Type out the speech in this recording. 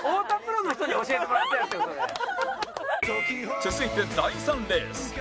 続いて第３レース